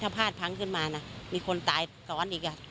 ถ้าพลาดพังขึ้นมามีคนตายตอนอีก